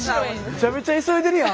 めちゃめちゃ急いでるやん